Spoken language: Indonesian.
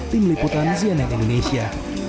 tim liputan znn indonesia